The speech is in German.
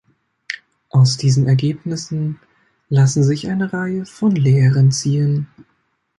Aus diesen Ergebnissen lassen sich eine Reihe von Lehren ziehen.